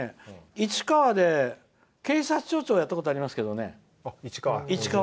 市川で警察署長をしたことありますけどね。